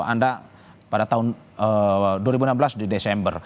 anda pada tahun dua ribu enam belas di desember